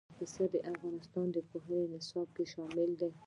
پسه د افغانستان د پوهنې نصاب کې شامل دي.